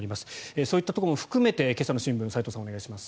そういったところも含めて今朝の新聞斎藤さん、お願いします。